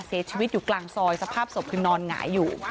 เสียชีวิตอยู่กลางซอยสภาพศพคือนอนหงายอยู่